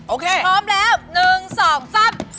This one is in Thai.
โอเคพร้อมแล้วหนึ่งสองสาม